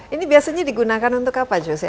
ini biasanya digunakan untuk apa jose